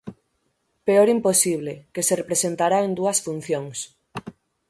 Peor imposible, que se representará en dúas funcións.